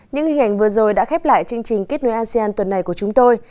những hình ảnh vừa rồi đã khép lại chương trình kết nối asean tuần này của chúng tôi